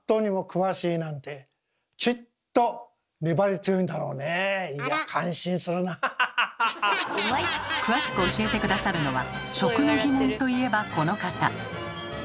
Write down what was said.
詳しく教えて下さるのは食の疑問といえばこの方！